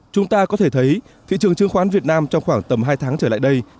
chúng ta có thể thấy thị trường chứng khoán việt nam trong khoảng tầm hai tháng trở lại đây